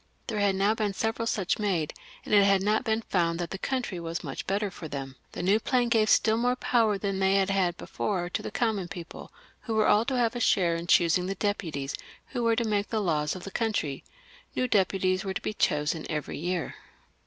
There had now been several such made, and it had not been found that the country was much the better for them. The new plan gave stiU more power than they had had before to the common people, who were all to have a share in choosing the deputies who were to make the laws of the country. These deputies were to be chosen new every year.